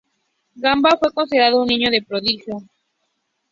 Gamba fue considerado un niño prodigio.